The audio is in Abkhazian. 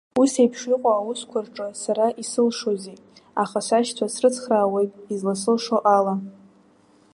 Уи еиԥш иҟоу аусқәа рҿы сара исылшозеи, аха сашьцәа срыцхраауеит изласылшо ала.